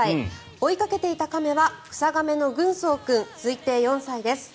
追いかけていた亀はクサガメの軍曹君推定４歳です。